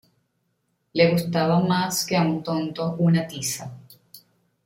Le gustaba más que a un tonto una tiza